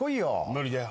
無理だよ。